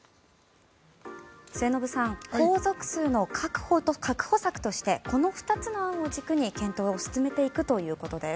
末延さん皇族数の確保策としてこの２つの案を軸に検討を進めていくということです。